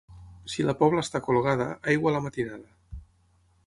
Si la Pobla està colgada, aigua a la matinada.